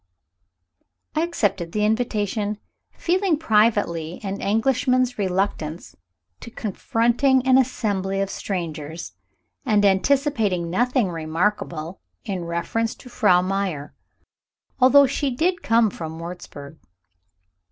I accepted the invitation, feeling privately an Englishman's reluctance to confronting an assembly of strangers, and anticipating nothing remarkable in reference to Frau Meyer, although she did come from Wurzburg.